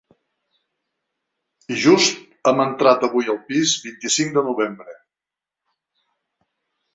I just hem entrat avui al pis, vint-i-cinc de Novembre.